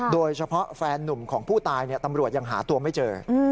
โดยเฉพาะแฟนนุ่มของผู้ตายตำรวจยังหาตัวไม่เจอ